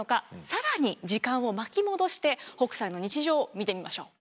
更に時間を巻き戻して北斎の日常見てみましょう。